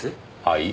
はい？